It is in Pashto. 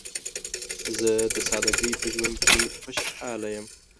زه د سادګۍ په ژوند کې خوشحاله یم.